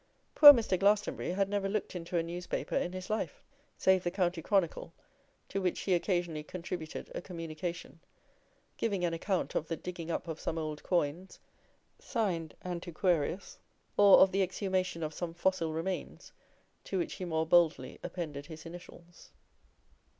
Poor Mr. Glastonbury had never looked into a newspaper in his life, save the County Chronicle, to which he occasionally contributed a communication, giving an account of the digging up of some old coins, signed Antiquarius; or of the exhumation of some fossil remains, to which he more boldly appended his initials.